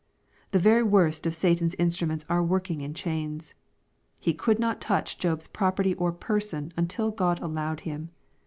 The very worst of Satan'g instruments are working in chains. He could not touch Job's property or person until God allowed him.